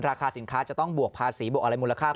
ราคาสินค้าจะต้องบวกภาษีบวกอะไรมูลค่า